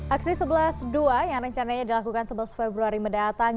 aksi sebelas dua yang rencananya dilakukan sebelas februari mendatang